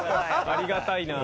ありがたいな。